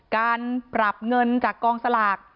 การปรับเงินจากกองสลาก